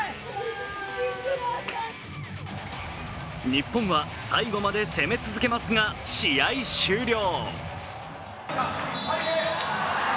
日本は最後まで攻め続けますが試合終了。